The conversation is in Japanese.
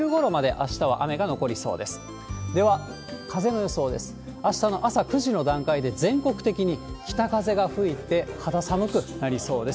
あしたの朝９時の段階で全国的に北風が吹いて、肌寒くなりそうです。